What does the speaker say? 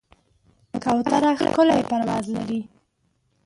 کوتره ښکلی پرواز لري.